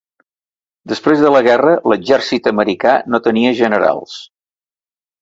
Després de la guerra, l'exèrcit americà no tenia generals.